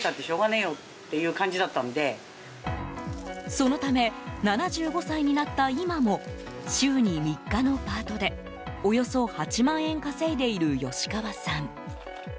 そのため、７５歳になった今も週に３日のパートでおよそ８万円稼いでいる吉川さん。